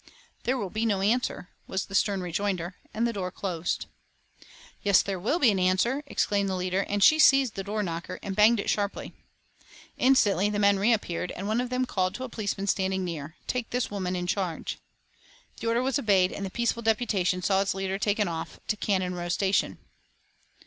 "There will be no answer," was the stern rejoinder, and the door closed. "Yes, there will be an answer," exclaimed the leader, and she seized the door knocker and banged it sharply. Instantly the men reappeared, and one of them called to a policeman standing near, "Take this woman in charge." The order was obeyed, and the peaceful deputation saw its leader taken off to Canon Row Station.